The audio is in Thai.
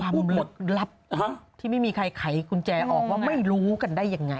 หมดลับที่ไม่มีใครไขกุญแจออกว่าไม่รู้กันได้ยังไง